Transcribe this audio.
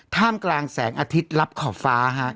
ท่ามกลางแสงอาทิตย์รับขอบฟ้าฮะ